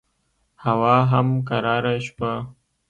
هوا هم قراره شوه.